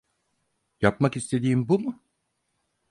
Yapmak istediğin bu mu?